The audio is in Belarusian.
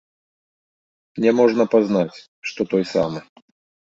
Няможна пазнаць, што той самы.